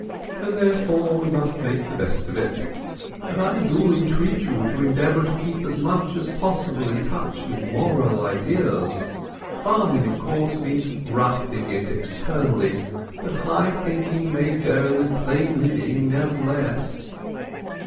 "And, therefore, we must make the best of it. But I do entreat you to endeavour to keep as much as possible in touch with moral ideals. Farming, of course, means roughing it externally; but high thinking may go with plain living, nevertheless."